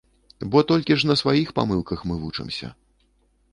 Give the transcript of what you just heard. Бо толькі ж на сваіх памылках мы вучымся.